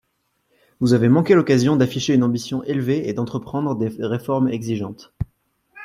Vous avez manqué l’occasion d’afficher une ambition élevée et d’entreprendre des réformes exigeantes.